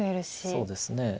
そうですね。